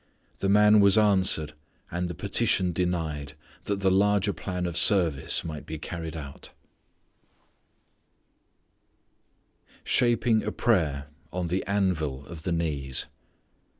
The man was answered and the petition denied that the larger plan of service might be carried out. Shaping a Prayer on the Anvil of the Knees.